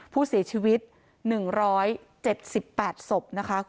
ผู้เสียชีวิต๑๗๘ศพนะคะคุณผู้ชม